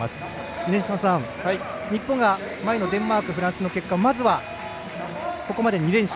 峰島さん、日本が前のデンマーク、フランスの結果まずは、ここまで２連勝。